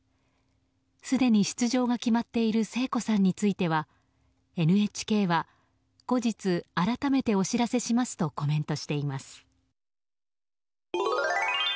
すでに出場が決まっている聖子さんについてはＮＨＫは後日改めてお知らせしますとコメントしています。